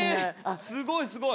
すごいすごい。